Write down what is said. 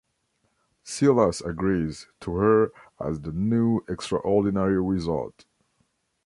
Silas agrees, to her as the new ExtraOrdinary Wizard.